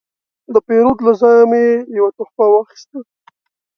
د پیرود له ځایه مې یو تحفه واخیسته.